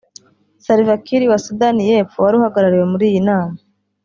Salva Kiir wa Sudani y’Epfo wari uhagarariwe muri iyi nama